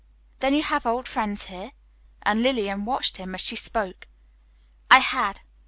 "Then you have old friends here?" And Lillian watched him as she spoke. "I had.